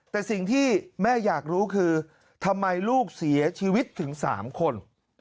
แต่สิ่งที่แม่อยากรู้คือทำไมลูกเสียชีวิตถึง๓คน